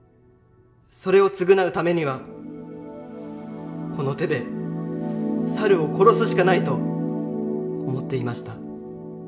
それを償うためにはこの手で猿を殺すしかないと思っていました。